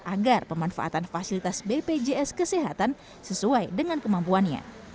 agar pemanfaatan fasilitas bpjs kesehatan sesuai dengan kemampuannya